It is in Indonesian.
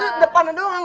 itu depan aja doang